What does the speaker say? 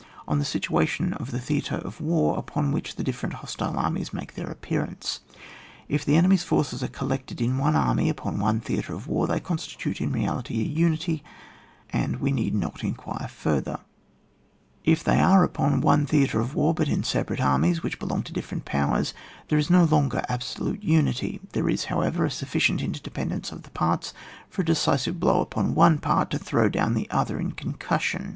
On the situation of the theatre of war upon which the different hostile armies make their appearance. If the enemy's forces are collected in one army upon one theatre of war, they constitute in reality a unity, and we need not inquire further; if they are upon 76 ON WAR, [book vni. one theatre of war, but in separate armies, which belong to different Powers, there is no longer absolute unity ; there is, however, a sufficient interdependance of parts for a decisive blow upon on4 part to throw down the other in the con cussion.